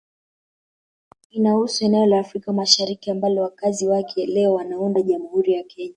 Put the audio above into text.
Inahusu eneo la Afrika Mashariki ambalo wakazi wake leo wanaunda Jamhuri ya Kenya